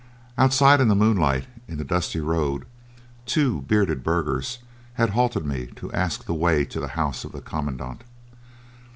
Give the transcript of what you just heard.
Outside in the moonlight in the dusty road two bearded burghers had halted me to ask the way to the house of the commandant.